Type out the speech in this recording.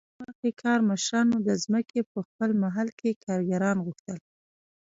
د فرمان له مخې کارمشرانو د ځمکې په خپل محل کې کارګران غوښتل.